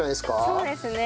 そうですね。